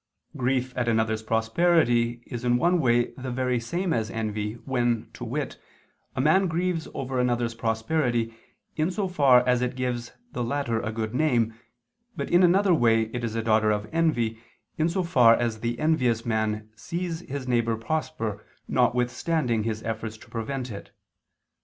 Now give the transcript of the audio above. Grief at another's prosperity is in one way the very same as envy, when, to Wit, a man grieves over another's prosperity, in so far as it gives the latter a good name, but in another way it is a daughter of envy, in so far as the envious man sees his neighbor prosper notwithstanding his efforts to prevent it.